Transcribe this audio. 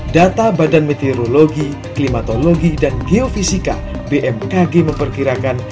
data badan meteorologi klimatologi dan geofisika bmkg memperkirakan